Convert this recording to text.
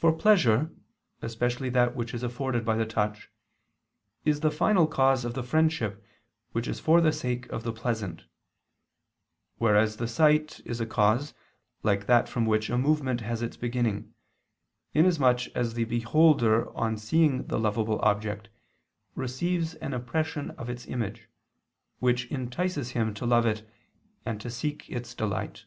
For pleasure, especially that which is afforded by the touch, is the final cause of the friendship which is for the sake of the pleasant: whereas the sight is a cause like that from which a movement has its beginning, inasmuch as the beholder on seeing the lovable object receives an impression of its image, which entices him to love it and to seek its delight.